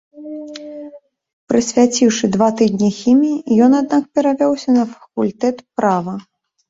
Прысвяціўшы два тыдні хіміі, ён аднак перавёўся на факультэт права.